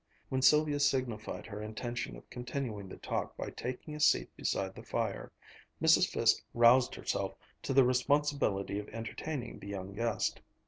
When Sylvia signified her intention of continuing the talk by taking a seat beside the fire, Mrs. Fiske roused herself to the responsibility of entertaining the young guest.